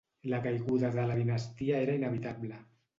La caiguda de la dinastia era inevitable.